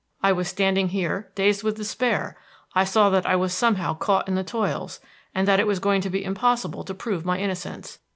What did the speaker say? I was standing here dazed with despair; I saw that I was somehow caught in the toils, and that it was going to be impossible to prove my innocence.